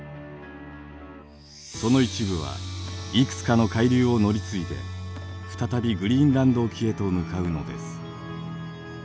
その一部はいくつかの海流を乗り継いで再びグリーンランド沖へと向かうのです。